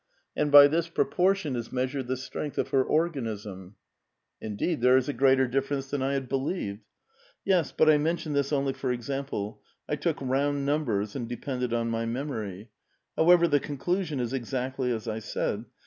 And by this proportion is measured the strength of her organism." *' Indeed, there is a greater difference than I had be lieved." " Yes, but I mentioned this only for example ; I took round numbers, and depended on my memory. However, the conclusion is exactlv as I said.